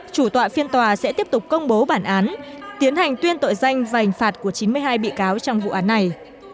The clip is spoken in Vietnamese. chủ tọa phiên tòa sẽ tiếp tục công bố bản án tiến hành tuyên tội danh và hình phạt của chín mươi hai bị cáo trong vụ án này